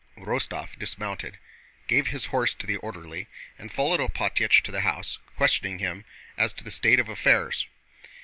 Rostóv dismounted, gave his horse to the orderly, and followed Alpátych to the house, questioning him as to the state of affairs.